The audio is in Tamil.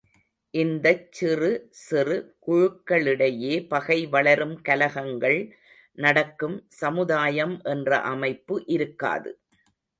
இந்தச் சிறு சிறு குழுக்களிடையே பகை வளரும் கலகங்கள் நடக்கும் சமுதாயம் என்ற அமைப்பு இருக்காது.